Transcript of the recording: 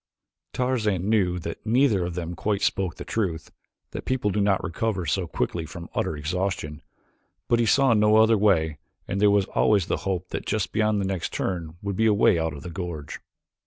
Tarzan knew that neither of them quite spoke the truth, that people do not recover so quickly from utter exhaustion, but he saw no other way and there was always the hope that just beyond the next turn would be a way out of the gorge.